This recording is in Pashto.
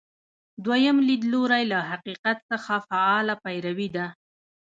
دویم لیدلوری له حقیقت څخه فعاله پیروي ده.